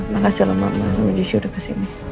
makasihlah mama sama jessy udah kesini